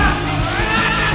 gak ada masalah